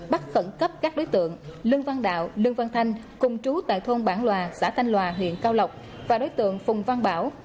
bắt khẩn cấp các đối tượng lương văn đạo lương văn thanh cùng chú tại thôn bản loà xã thanh lòa huyện cao lộc và đối tượng phùng văn bảo